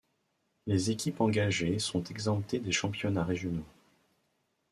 Les équipes engagées sont exemptées des championnats régionaux.